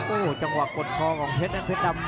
อื้อหือจังหวะขวางแล้วพยายามจะเล่นงานด้วยซอกแต่วงใน